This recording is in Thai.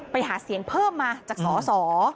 ไปหาเสียงเพิ่มมาจากสส